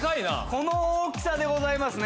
この大きさでございますね